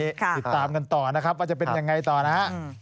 ติดตามกันต่อนะครับว่าจะเป็นยังไงต่อนะฮะ